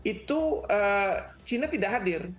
itu china tidak hadir